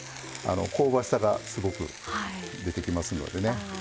香ばしさがすごく出てきますのでね。